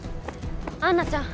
アンナちゃん